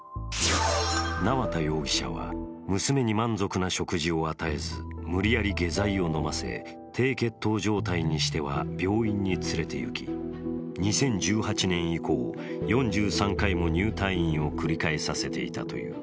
縄田容疑者は娘に満足な食事を与えず無理やり下剤を飲ませ、低血糖状態にしては病院に連れていき、２０１８年以降、４３回も入退院を繰り返させていたという。